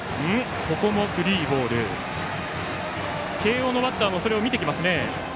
慶応のバッターもそれを見てきますね。